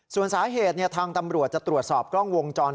ส่วนสาเหตุทางตำรวจจะตรวจสอบกล้องวงจร